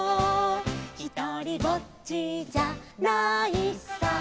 「ひとりぼっちじゃないさ」